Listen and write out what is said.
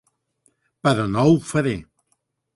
Però no ho faré.